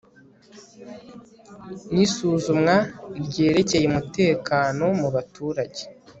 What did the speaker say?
n isuzumwa ryerekeye umutekano mubaturage